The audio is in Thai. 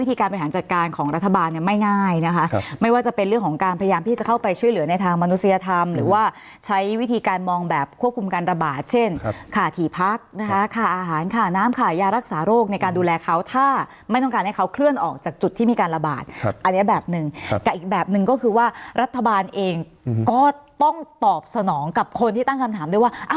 ที่จะเข้าไปช่วยเหลือในทางมนุษยธรรมหรือว่าใช้วิธีการมองแบบควบคุมการระบาดเช่นข่าถี่พักนะคะข่าอาหารข่าน้ำข่ายารักษาโรคในการดูแลเขาถ้าไม่ต้องการให้เขาเคลื่อนออกจากจุดที่มีการระบาดครับอันเนี้ยแบบหนึ่งครับกับอีกแบบหนึ่งก็คือว่ารัฐบาลเองก็ต้องตอบสนองกับคนที่ตั้งคำถาม